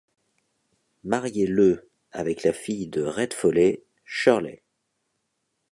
Marié le avec la fille de Red Foley, Shirley.